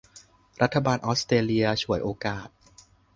รัฐบาลออสเตรเลียฉวยโอกาส